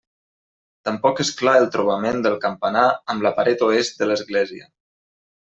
Tampoc és clar el trobament del campanar amb la paret oest de l'església.